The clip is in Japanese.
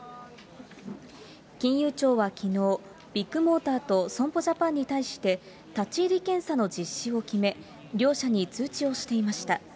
金融庁はきのう、ビッグモーターと損保ジャパンに対して、立ち入り検査の実施を決め、両社に通知をしていました。